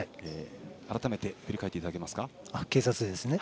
改めて振り返っていただけますか。